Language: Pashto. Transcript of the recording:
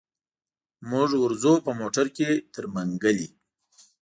موږ ورځو په موټر کي تر منګلي.